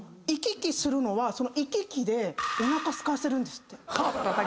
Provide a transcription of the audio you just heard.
行き来するのはその行き来でおなかすかせるんですって。